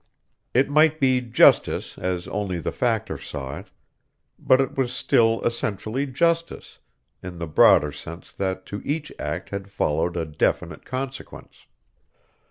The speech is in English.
It might be justice as only the Factor saw it, but it was still essentially justice in the broader sense that to each act had followed a definite consequence.